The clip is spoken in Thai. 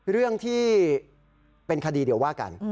เรื่องที่เป็นคดีเดี๋ยวว่ากัน